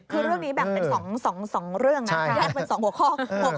คือเรื่องนี้แบ่งเป็น๒เรื่องนะจะแยกเป็น๒หัวข้อ